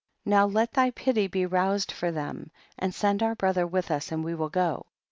now let thy pity be roused for them and send our brother with us and we will go. 21.